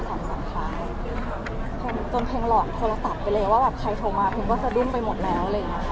ถึงร่วมต้นจนเพลงหลอดโทรตับไปเลยว่าคลิปใครโทรมาเพิ่งว่าจะดุ้มไปหมดแล้ว